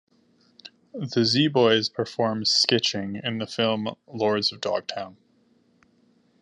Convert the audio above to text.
The Z Boys perform skitching in the film "Lords of Dogtown".